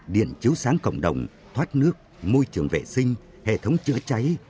điện chiếu sáng cộng đồng thoát nước môi trường vệ sinh hệ thống chữa cháy